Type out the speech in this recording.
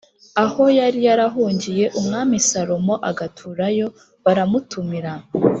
aho yari yarahungiye Umwami Salomo agaturayo, baramutumira